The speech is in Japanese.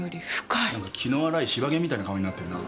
何か気の荒い柴犬みたいな顔になってんな。